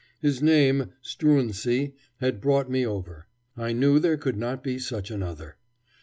His name, Struensee, had brought me over. I knew there could not be such another.